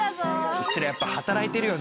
うちらやっぱ働いてるよね。